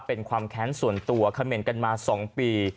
เป็นความแข็งส่วนตัวเคมล์เมนต์กันมา๒ปี